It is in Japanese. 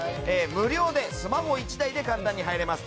無料でスマホ１台で簡単に入れます。